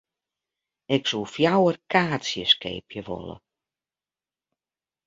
Ik soe fjouwer kaartsjes keapje wolle.